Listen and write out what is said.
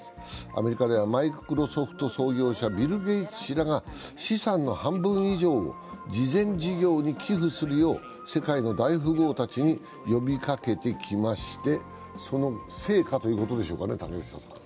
アメリカではマイクロソフト創業者ビル・ゲイツ氏らが資産の半分以上を慈善事業に寄付するよう世界の大富豪たちに呼びかけてきまして、その成果ということでしょうか。